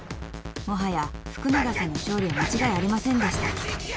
［もはや福永さんの勝利は間違いありませんでした］